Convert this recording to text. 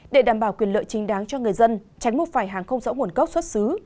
để đảm bảo quyền lợi chính đáng cho người dân tránh mua phải hàng không rõ nguồn gốc xuất xứ